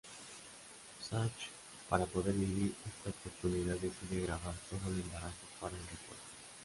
Zach para poder vivir esta oportunidad decide grabar todo el embarazo para el recuerdo.